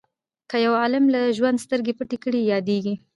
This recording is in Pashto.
که یو عالم له ژوند سترګې پټې کړي یادیږي.